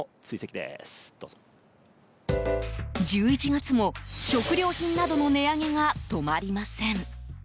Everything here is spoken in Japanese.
１１月も食料品などの値上げが止まりません。